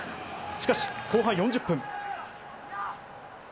しかし後半４０分。